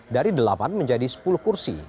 dari delapan menjadi sepuluh kursi